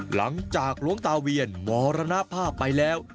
หลังจากหลวงตาเวียนมรณภาพไปแล้ว